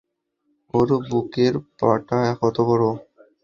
ওর বুকের পাটা কত বড়।